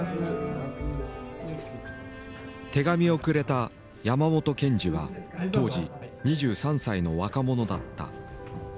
手紙をくれた山本憲司は当時２３歳の若者だった。